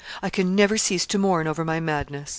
I can never cease to mourn over my madness.